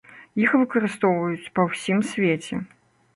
Іх выкарыстоўваюць па ўсім свеце.